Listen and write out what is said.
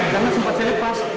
jangan sempat saya lepas